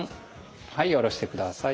はい下ろしてください。